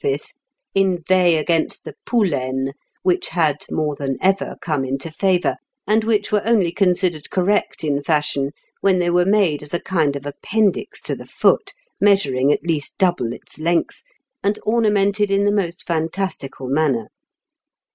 (Fig. 422), inveigh against the poulaines, which had more than ever come into favour, and which were only considered correct in fashion when they were made as a kind of appendix to the foot, measuring at least double its length, and ornamented in the most fantastical manner.